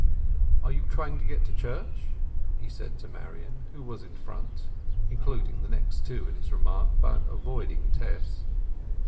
"Are you trying to get to church?" he said to Marian, who was in front, including the next two in his remark, but avoiding Tess.